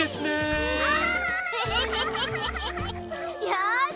よし！